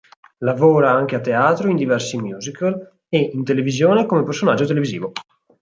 Lavora anche a teatro in diversi musical e in televisione come personaggio televisivo.